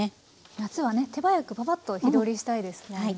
夏はね手早くパパッと火通りしたいですもんね。